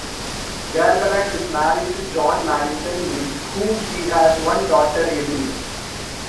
Garbarek is married to John Mallison, with whom she has one daughter, Emily.